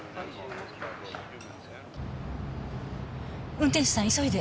運転手さん急いで。